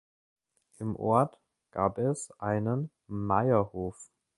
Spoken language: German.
Im Ort gab es einen Meierhof.